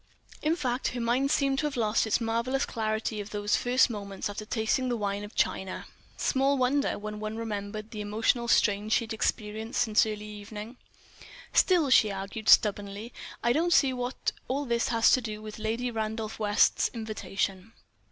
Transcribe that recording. In fact, her mind seemed to have lost its marvellous clarity of those first moments after tasting the wine of China. Small wonder, when one remembered the emotional strain she had experienced since early evening! "Still," she argued, stubbornly, "I don't see what all this has to do with Lady Randolph West's invitation."